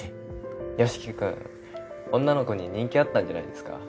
由樹君女の子に人気あったんじゃないですか？